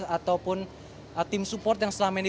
ataupun tim support yang selama ini